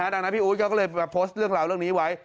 ดังนั้นพี่อู๊ดเขาก็เลยมาโพสต์เรื่องราวเรื่องนี้ไว้